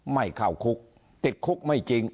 ไม่เข้าคุกติดคุกไม่จริง